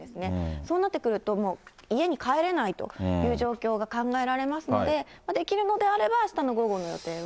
そうなってくると、もう家に帰れないという状況が考えられますので、できるのであれば、あしたの午後の予定は。